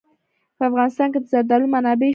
په افغانستان کې د زردالو منابع شته.